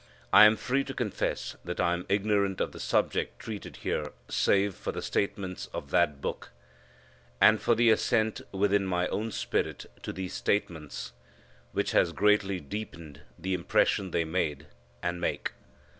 I am free to confess that I am ignorant of the subject treated here save for the statements of that Book, and for the assent within my own spirit to these statements, which has greatly deepened the impression they made, and make.